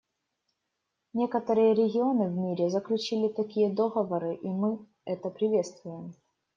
Некоторые регионы в мире заключили такие договоры, и мы это приветствуем.